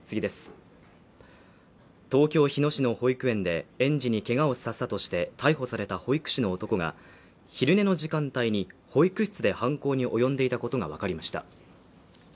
東京日野市の保育園で園児にけがをさせたとして逮捕された保育士の男が昼寝の時間帯に保育室で犯行に及んでいたことがわかりました。